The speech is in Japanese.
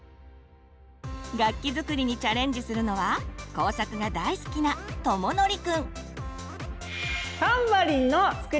楽器作りにチャレンジするのは工作が大好きなとものりくん。